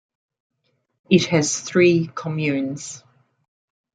It has three communes.